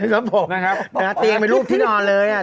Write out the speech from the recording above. ครับผมตีนไปรูปพี่นอนเลยอ่ะ